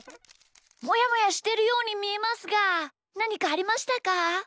もやもやしてるようにみえますがなにかありましたか？